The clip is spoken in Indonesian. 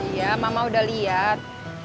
iya mbak mbak udah liat